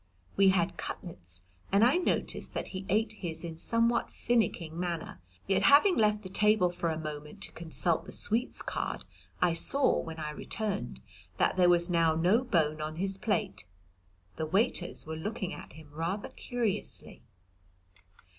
We had cutlets, and I noticed that he ate his in a somewhat finicking manner; yet having left the table for a moment to consult the sweets card, I saw, when I returned, that there was now no bone on his plate. The waiters were looking at him rather curiously.